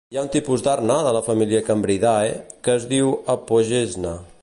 Hi ha un tipus d'arna de la família Crambidae que es diu Apogeshna.